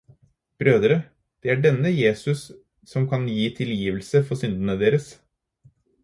Brødre, – det er denne Jesus som kan gi tilgivelse for syndene deres.